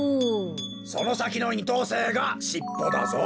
そのさきの２とうせいがしっぽだぞ！